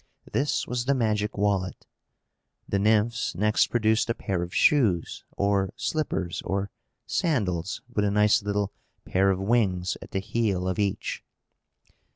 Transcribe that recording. This was the magic wallet. The Nymphs next produced a pair of shoes, or slippers, or sandals, with a nice little pair of wings at the heel of each.